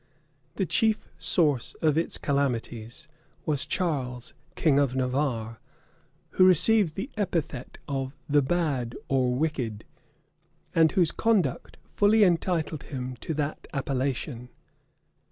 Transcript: {1354.} The chief source of its calamities, was Charles, king of Navarre who received the epithet of the Bad, or Wicked, and whose conduct fully entitled him to that appellation.